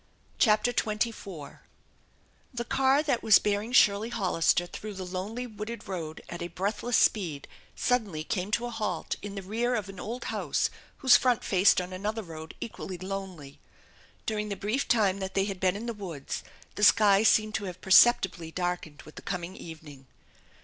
CHAPTER XXIV THE car that was bearing Shirley Hollister through the lonely wooded road at a breathless speed suddenly came to a halt in the rear of an old house whose front faced on another road equally lonely. During the brief time that they had been in the woods, the sky seemed to have perceptibly dark ened with the coming evening.